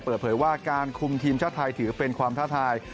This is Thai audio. เปิดเผยว่าการคุมทีมชาติไทยถือเป็นความท้าทาย